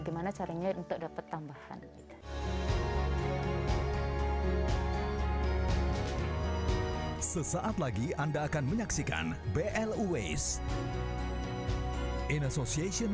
gimana caranya untuk dapat tambahan sesaat lagi anda akan menyaksikan bl ways in association with